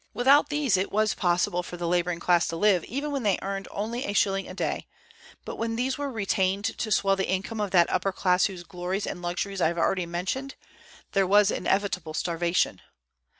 Without these it was possible for the laboring class to live, even when they earned only a shilling a day; but when these were retained to swell the income of that upper class whose glories and luxuries I have already mentioned, there was inevitable starvation.